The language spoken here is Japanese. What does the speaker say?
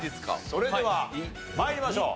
それでは参りましょう。